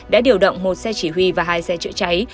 đã điều động một xe chỉ huy và hai xe chữa cháy